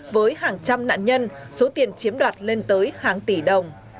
với hàng trăm nạn nhân số tiền chiếm đoạt lên tới hàng tỷ đồng